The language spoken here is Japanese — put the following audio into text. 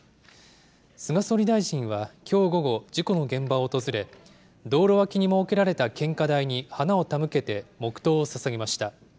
菅総理大臣はきょう午後、事故の現場を訪れ、道路脇に設けられた献花台に花を手向けて、黙とうをささげました。